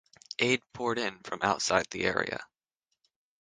Aid poured in from outside the area.